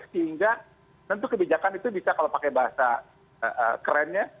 sehingga tentu kebijakan itu bisa kalau pakai bahasa kerennya